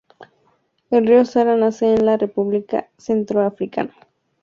El río Sara nace en la República Centroafricana.